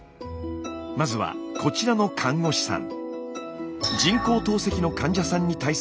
まずはこちらの看護師さん。